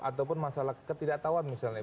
ataupun masalah ketidaktauan misalnya